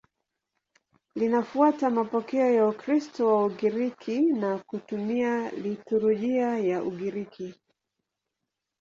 Linafuata mapokeo ya Ukristo wa Ugiriki na kutumia liturujia ya Ugiriki.